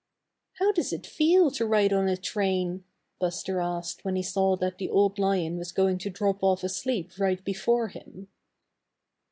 "How does it feel to ride on a train?" Buster asked when he saw that the Old Lion was going to drop off asleep right before him.